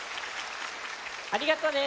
ありがとうね。